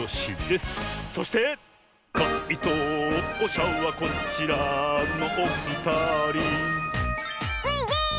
「かいとうしゃはこちらのおふたり」スイです！